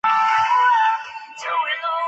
通过在钢材表面电镀锌而制成。